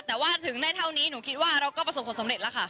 แต่ว่าถึงได้เท่านี้หนูคิดว่าเราก็ประสบความสำเร็จแล้วค่ะ